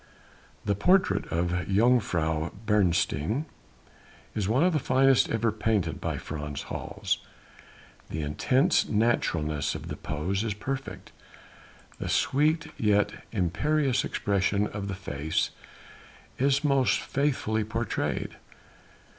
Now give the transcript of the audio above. That portrait of Jongejuffrouw Beresteyn is one of the finest ever painted by Frans Hals, the intense naturalness of the pose is perfect, the sweet yet imperious expression of the face is most faithfully portrayed.